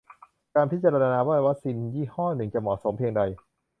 การพิจารณาว่าวัคซีนยี่ห้อหนึ่งจะ "เหมาะสม" เพียงใด